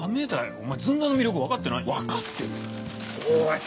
おい！